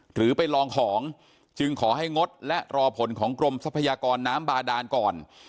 หรือไปลองของจึงขอให้งดและรอผลของกรมทรัพยากรน้ำบาดานก่อน